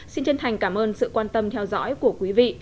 xin chân thành cảm ơn sự quan tâm theo dõi của quý vị